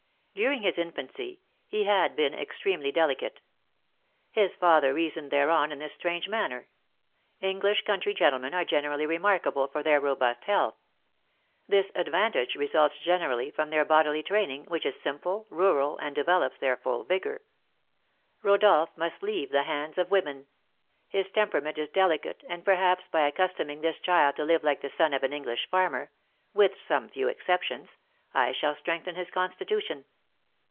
During his infancy, he had been extremely delicate. His father reasoned thereon in this strange manner: "English country gentlemen are generally remarkable for their robust health. This advantage results generally from their bodily training, which is simple, rural, and develops their full vigour. Rodolph must leave the hands of women; his temperament is delicate, and, perhaps, by accustoming this child to live like the son of an English farmer (with some few exceptions), I shall strengthen his constitution."